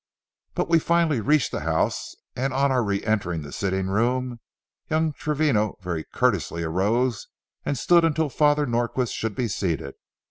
But we finally reached the house, and on our reëntering the sitting room, young Travino very courteously arose and stood until Father Norquin should be seated.